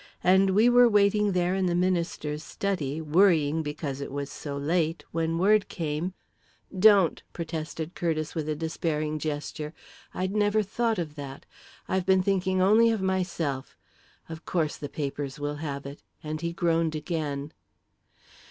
And we were waiting there in the minister's study, worrying because it was so late, when word came " "Don't!" protested Curtiss, with a despairing gesture. "I'd never thought of that. I've been thinking only of myself. Of course the papers will have it!" and he groaned again.